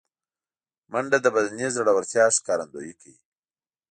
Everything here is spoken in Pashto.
منډه د بدني زړورتیا ښکارندویي کوي